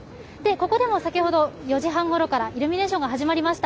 ここでも、先ほど４時半ごろからイルミネーションが始まりました。